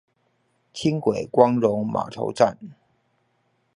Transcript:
輕軌光榮碼頭站